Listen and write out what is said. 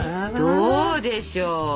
どうでしょう。